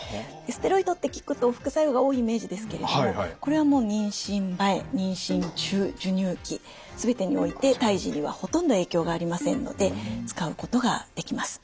ステロイドって聞くと副作用が多いイメージですけれどもこれはもう妊娠前妊娠中授乳期全てにおいて胎児にはほとんど影響がありませんので使うことができます。